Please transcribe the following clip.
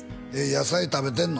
野菜食べてんの？